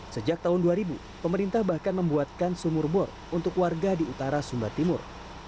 sejak tahun dua ribu pemerintah bahkan membuatkan sumur bor untuk warga di utara sumba timur